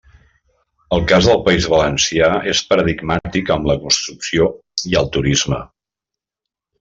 El cas del País Valencià és paradigmàtic amb la construcció i el turisme.